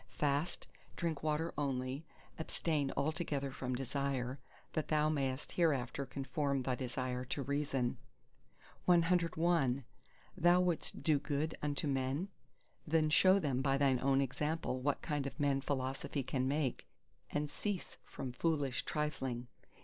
Fast; drink water only; abstain altogether from desire, that thou mayest hereafter conform thy desire to Reason. CII Thou wouldst do good unto men? then show them by thine own example what kind of men philosophy can make, and cease from foolish trifling.